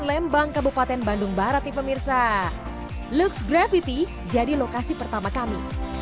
lembang kabupaten bandung barat nih pemirsa lux gravity jadi lokasi pertama kami